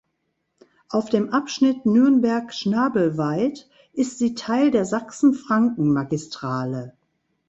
Auf dem Abschnitt Nürnberg–Schnabelwaid ist sie Teil der Sachsen-Franken-Magistrale.